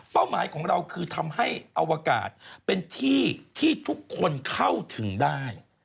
หมายของเราคือทำให้อวกาศเป็นที่ที่ทุกคนเข้าถึงได้